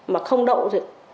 mà không đậu thì